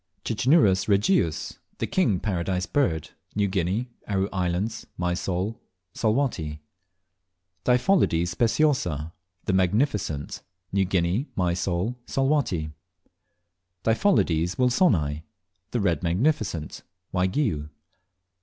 4. Cicinnurus regius (The King Paradise Bird). New Guinea, Aru Islands, Mysol, Salwatty. 5. Diphyllodes speciosa (The Magnificent). New Guinea, Mysol, Salwatty. 6. Diphyllodes wilsoni (The Red Magnificent). Waigiou.